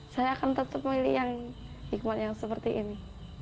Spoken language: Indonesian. saya akan tetap memilih yang hikmat yang seperti ini